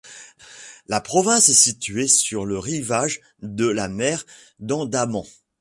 La province est située sur le rivage de la mer d'Andaman.